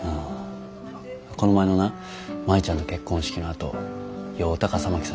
この前のな舞ちゃんの結婚式のあと酔うた笠巻さん